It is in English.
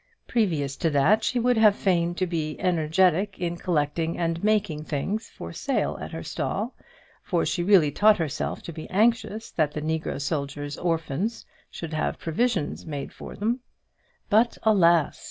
Previous to that she would fain have been energetic in collecting and making things for sale at her stall, for she really taught herself to be anxious that the negro soldiers' orphans should have provision made for them; but, alas!